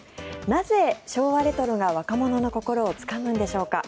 なぜ昭和レトロが若者の心をつかむんでしょうか。